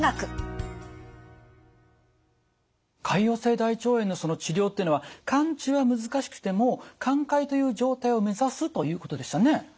潰瘍性大腸炎のその治療っていうのは完治は難しくても寛解という状態を目指すということでしたね。